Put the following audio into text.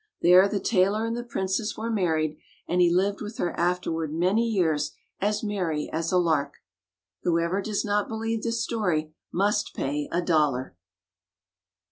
There the tailor and the princess were married, and he lived with her afterward many years as merry as a lark. Whoever does not believe this story must pay a dollar.